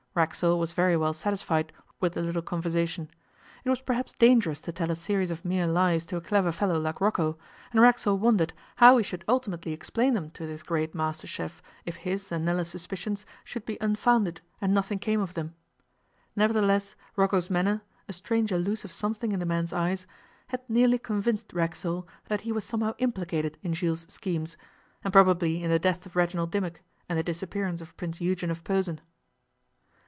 Racksole was very well satisfied with the little conversation. It was perhaps dangerous to tell a series of mere lies to a clever fellow like Rocco, and Racksole wondered how he should ultimately explain them to this great master chef if his and Nella's suspicions should be unfounded, and nothing came of them. Nevertheless, Rocco's manner, a strange elusive something in the man's eyes, had nearly convinced Racksole that he was somehow implicated in Jules' schemes and probably in the death of Reginald Dimmock and the disappearance of Prince Eugen of Posen.